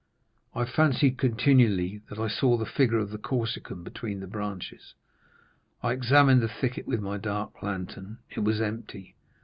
I fancied continually that I saw the figure of the Corsican between the branches. I examined the thicket with my dark lantern; it was empty.